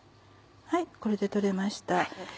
これで取れました。